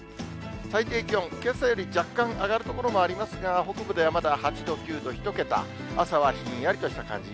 最低気温、けさより若干上がる所もありますが、北部ではまだ８度、９度、１桁、朝はひんやりとした感じ。